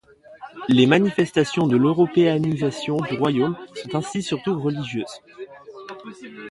Les manifestations de l'européanisation du royaume sont ainsi surtout religieuses.